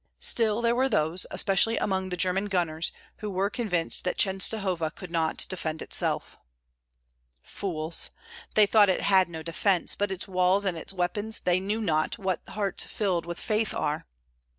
Still there were those, especially among the German gunners, who were convinced that Chenstohova could not defend itself. Fools! they thought that it had no defence but its walls and its weapons; they knew not what hearts filled with faith are.